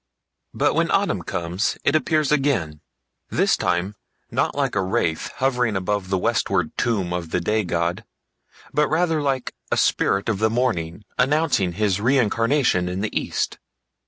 But when autumn comes it appears again, this time not like a wraith hovering above the westward tomb of the day god, but rather like a spirit of the morning announcing his reincarnation in the east.